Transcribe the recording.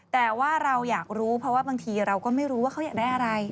แต่ว่าเราอยากรู้เพราะว่าบางทีเราก็ไม่รู้ว่าเขาอยากได้อะไร